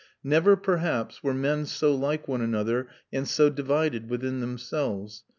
Never perhaps were men so like one another and so divided within themselves.